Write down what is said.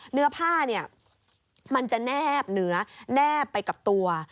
เนื้อผ้าเนี่ยมันจะแนบเหนือแนบไปกับตัว